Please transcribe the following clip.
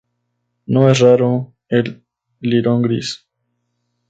No es raro el lirón gris.